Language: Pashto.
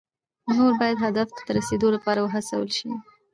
نور باید هدف ته د رسیدو لپاره وهڅول شي.